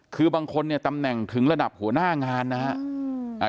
คือบางคนเนี่ยตำแหน่งถึงระดับหัวหน้างานนะครับ